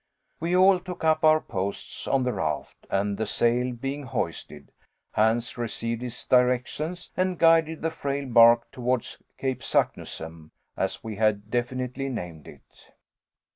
We all took up our posts on the raft, and the sail being hoisted, Hans received his directions, and guided the frail bark towards Cape Saknussemm, as we had definitely named it.